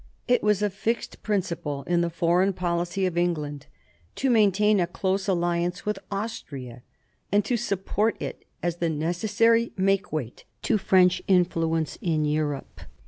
It was a fixed principle in the foreign policy of England to maintain a close alliance with Austria, and to support it as the necessary make weight to French influence in Europe.